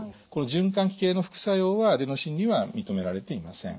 循環器系の副作用はアデノシンには認められていません。